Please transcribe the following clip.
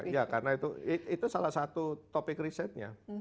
ya karena itu salah satu topik risetnya